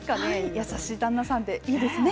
優しい旦那さんでいいですね。